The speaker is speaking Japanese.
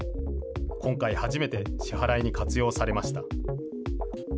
今回初めて、支払いに活用されました。